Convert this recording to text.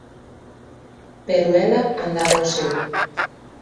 Pero ela andaba ao seu.